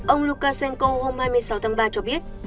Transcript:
ông lukashenko hôm hai mươi sáu tháng ba cho biết